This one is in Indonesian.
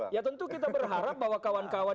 ya tentu kita berharap bahwa kawan kawan